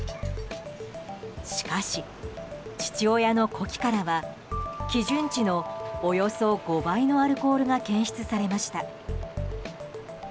しかし、父親の呼気からは基準値のおよそ５倍のアルコールが検出されました。